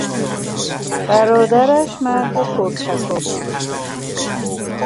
برادرش مرد پرتکاپویی است.